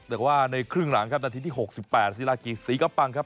แต่ว่าในครึ่งหลังครับนาทีที่๖๘ศิลากิจศรีกระปังครับ